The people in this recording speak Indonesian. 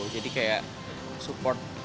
jadi kayak support